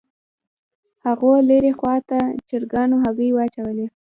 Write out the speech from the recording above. هاغو لرې خوا ته چرګانو هګۍ واچولې